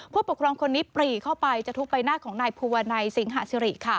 ผู้ปกครองคนนี้ปรีเข้าไปจะทุบใบหน้าของนายภูวนัยสิงหาสิริ